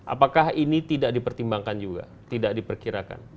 apakah ini tidak dipertimbangkan juga tidak diperkirakan